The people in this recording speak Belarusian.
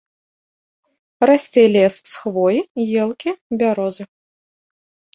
Расце лес з хвоі, елкі, бярозы.